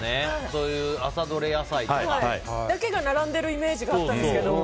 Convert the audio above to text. そういうのだけが並んでるイメージがあったんですけど。